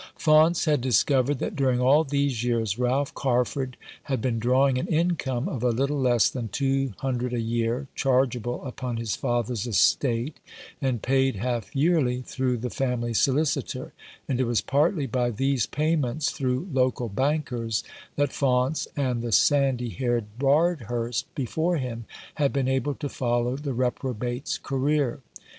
Faunce had discovered that during all these years Ralph Carford had been drawing an income of a little less than two hundred a year, chargeable upon his father's estate, and paid half yearly through the family solicitor ; and it was partly by these payments, through local bankers, that Faunce and the sandy haired Bardhurst before him had been able to follow the reprobate's career.